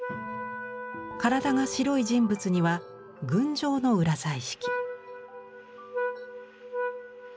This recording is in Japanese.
体が白い人物には群青の裏彩色。